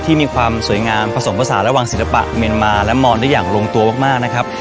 ที่มีความสวยงามผสมผสานระหว่างศิลปะเมียนมาและมอนได้อย่างลงตัวมากนะครับ